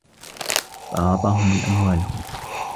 فَأَعْطَاهُمْ الْأَمْوَالَ